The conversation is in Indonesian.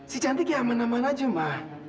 si cantik ya aman aman aja cuma